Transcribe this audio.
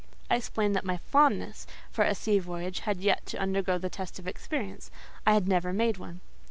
I explained that my fondness for a sea voyage had yet to undergo the test of experience; I had never made one.